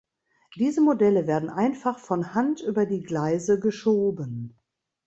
Diese Modelle werden einfach von Hand über die Gleise geschoben.